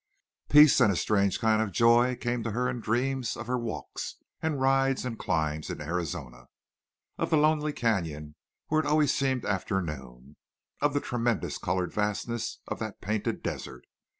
Peace and a strange kind of joy came to her in dreams of her walks and rides and climbs in Arizona, of the lonely canyon where it always seemed afternoon, of the tremendous colored vastness of that Painted Desert.